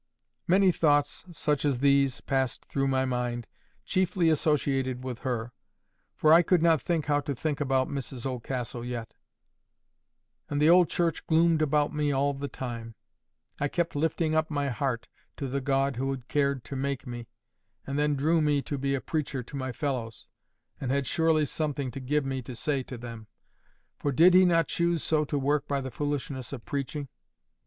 Many thoughts such as these passed through my mind, chiefly associated with her. For I could not think how to think about Mrs Oldcastle yet. And the old church gloomed about me all the time. And I kept lifting up my heart to the God who had cared to make me, and then drew me to be a preacher to my fellows, and had surely something to give me to say to them; for did He not choose so to work by the foolishness of preaching?